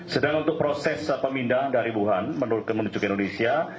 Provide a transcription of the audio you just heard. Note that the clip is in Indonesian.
sedang untuk proses pemindahan dari wuhan menuju ke indonesia